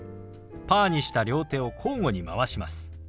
パーにした両手を交互に回します。